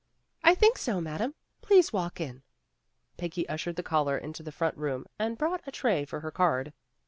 "I think so, Madame. Please walk in." Peggy ushered the caller into the front room and brought a tray for her card.